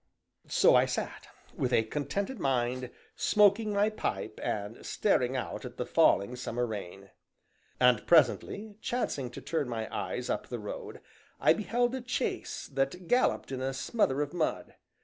So I sat, with a contented mind, smoking my pipe, and staring out at the falling summer rain. And presently, chancing to turn my eyes up the road, I beheld a chaise that galloped in a smother of mud.